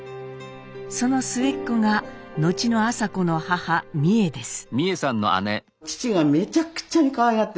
その末っ子が後の麻子の母美惠です。